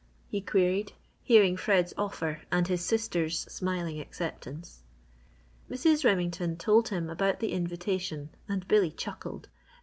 he queried, hearing Fred's offer and his sister's smiling acceptance. Mrs. Remington told him about the invitation and Billy chuckled.